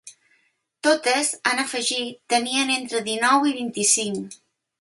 Totes, ha afegit, tenien entre dinou anys i vint-i-cinc.